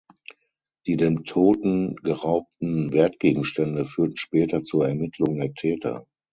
Die dem Toten geraubten Wertgegenstände führten später zur Ermittlung der Täter.